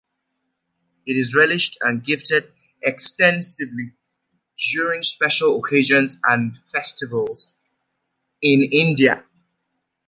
It is relished and gifted extensively during special occasions and festivals in India.